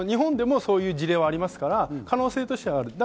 日本でもその事例はありますから可能性としてはある。